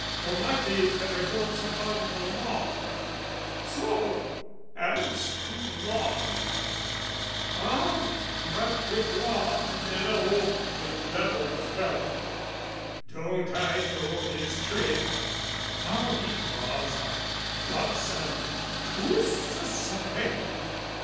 Tommati rather goes upon the law. So, as to law, Ah, but with law ne'er hope To level the fellow, don't I know his trick! How he draws up, ducks under, twists aside!